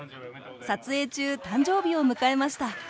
撮影中誕生日を迎えました。